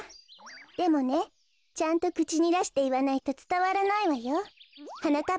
でもねちゃんとくちにだしていわないとつたわらないわよ。はなかっ